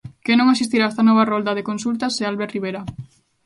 Quen non asistirá a esta nova rolda de consultas é Albert Rivera.